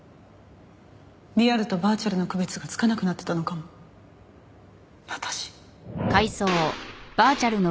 リアルとバーチャルの区別がつかなくなってたのかも私。